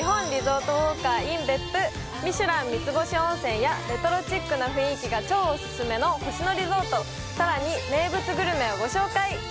リゾートウォーカーｉｎ別府ミシュラン三つ星温泉やレトロチックな雰囲気が超おすすめの星野リゾートさらに名物グルメをご紹介！